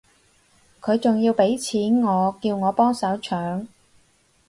佢仲要畀錢我叫我幫手搶